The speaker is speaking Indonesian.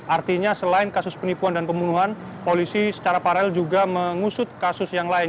artinya selain kasus penipuan dan pembunuhan polisi secara paralel juga mengusut kasus yang lain